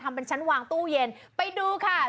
เป็นชั้นวางตู้เย็นไปดูค่ะ